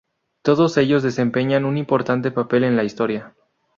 Todos ellos desempeñan un importante papel en la historia.